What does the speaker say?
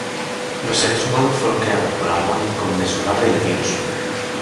Los seres humanos fueron creados por el amor inconmensurable de Dios.